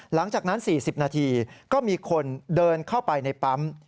หลังจากนั้น๔๐นาทีก็มีคนเดินเข้าไปในปั๊ม